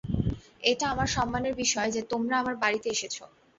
এটা আমার সম্মানের বিষয় যে তোমরা আমার বাড়িতে এসেছ।